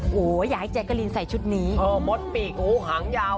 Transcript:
โหสวยมากโหอยากให้แจ๊กรีนใส่ชุดนี้เฮ้อมดปีกโหหางยาวนะ